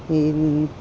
thì tôi cũng không biết